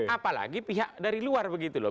apalagi pihak dari luar begitu loh